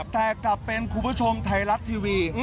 แต่กลับเป็นคุณผู้ชมไทยรัฐทีวี